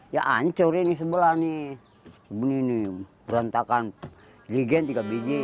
ya ancur ini sebelah berantakan jigen tiga biji